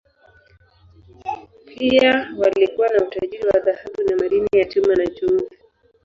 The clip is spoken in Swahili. Pia walikuwa na utajiri wa dhahabu na madini ya chuma, na chumvi.